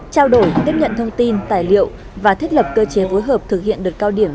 trao đổi tiếp nhận thông tin tài liệu và thiết lập cơ chế phối hợp thực hiện đợt cao điểm